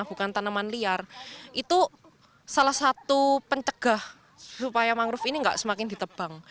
bukan tanaman liar itu salah satu pencegah supaya mangrove ini nggak semakin ditebang